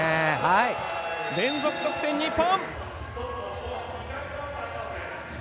連続得点日本。